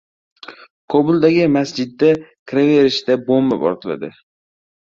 Kobuldagi masjidga kiraverishda bomba portladi